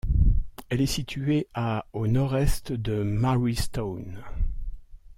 Elle est située à au nord-est de Marystown.